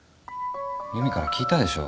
由美から聞いたでしょ？